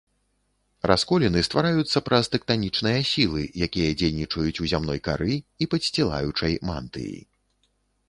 Расколіны ствараюцца праз тэктанічныя сілы, якія дзейнічаюць у зямной кары і падсцілаючай мантыі.